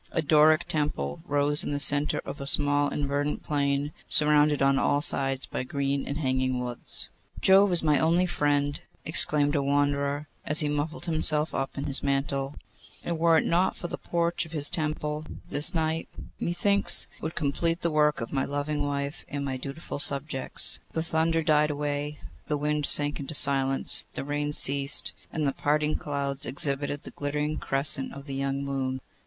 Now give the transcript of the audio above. A Doric temple rose in the centre of a small and verdant plain, surrounded on all sides by green and hanging woods. 'Jove is my only friend,' exclaimed a wanderer, as he muffled himself up in his mantle; 'and were it not for the porch of his temple, this night, methinks, would complete the work of my loving wife and my dutiful subjects.' The thunder died away, the wind sank into silence, the rain ceased, and the parting clouds exhibited the glittering crescent of the young moon.